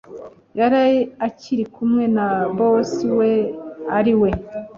yari akiri kumwe na boss we ariwe